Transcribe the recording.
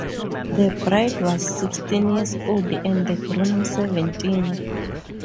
The bride was sixteen years old and the groom seventeen.